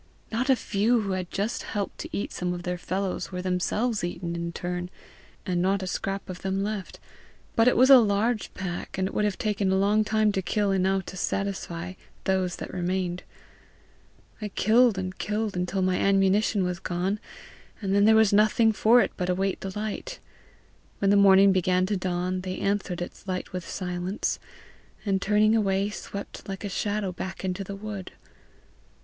Not a few who had just helped to eat some of their fellows, were themselves eaten in turn, and not a scrap of them left; but it was a large pack, and it would have taken a long time to kill enough to satisfy those that remained. I killed and killed until my ammunition was gone, and then there was nothing for it but await the light. When the morning began to dawn, they answered its light with silence, and turning away swept like a shadow back into the wood.